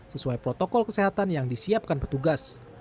sesuai protokol kesehatan yang disiapkan petugas